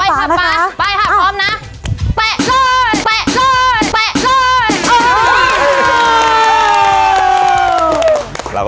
เอาแล้ว